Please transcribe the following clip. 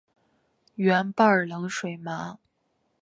圆瓣冷水麻